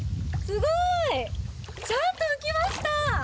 すごい！ちゃんと浮きました。